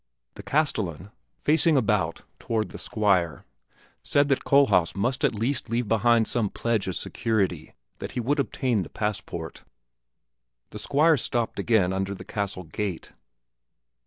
The castellan, facing about toward the Squire, said that Kohlhaas must at least leave behind some pledge as security that he would obtain the passport. The Squire stopped again under the castle gate.